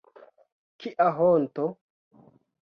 Kia honto!